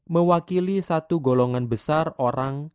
mewakili satu golongan besar orang